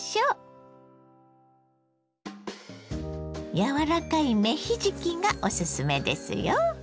柔らかい芽ひじきがおすすめですよ。